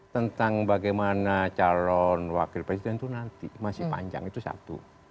tentang bagaimana calon wakil presiden itu nanti masih panjang itu satu